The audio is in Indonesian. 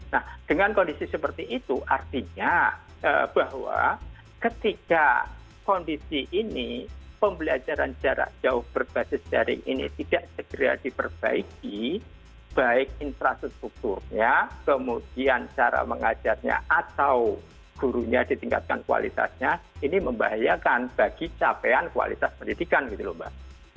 nah dengan kondisi seperti itu artinya bahwa ketika kondisi ini pembelajaran jarak jauh berbasis dari ini tidak segera diperbaiki baik infrastrukturnya kemudian cara mengajarnya atau gurunya ditingkatkan kualitasnya ini membahayakan bagi capaian kualitas pendidikan gitu loh mbak